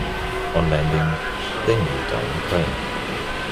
On landing, they kneeled down in prayer.